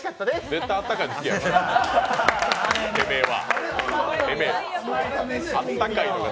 絶対あったかいやつやろ、てめえは。